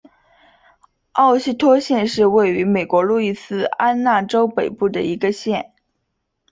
沃希托县是位于美国路易斯安那州北部的一个县。